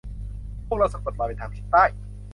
พวกเราสะกดรอยไปทางทิศใต้